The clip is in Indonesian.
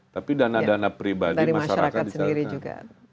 tapi dana dana pribadi masyarakat di sana